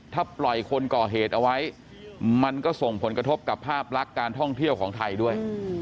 ถ้าปล่อยคนก่อเหตุเอาไว้มันก็ส่งผลกระทบกับภาพลักษณ์การท่องเที่ยวของไทยด้วย